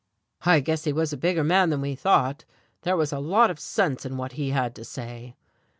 "I guess he was a bigger man than we thought. There was a lot of sense in what he had to say."